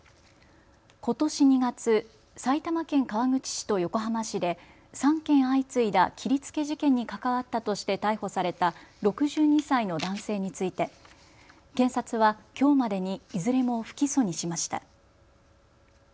ことし２月、埼玉県川口市と横浜市で３件相次いだ切りつけ事件に関わったとして逮捕された６２歳の男性について検察はきょうまでにいずれも不起訴にしました。